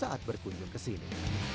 saat berkunjung ke sini